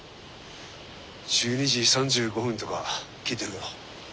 １２時３５分とか聞いてるけど。